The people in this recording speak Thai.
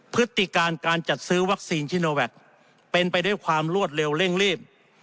พฤติการการจัดซื้อวัคซีนชิโนแวคเป็นไปด้วยความรวดเร็วเร่งรีบ